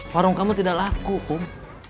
warung kamu tidak laku kum